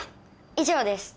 以上です。